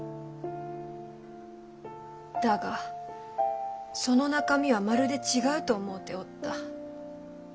だがその中身はまるで違うと思うておった。